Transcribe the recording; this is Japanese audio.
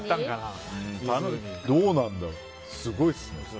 どうなんだろう、すごいですね。